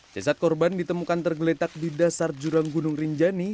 jasad korban ditemukan tergeletak di dasar jurang gunung rinjani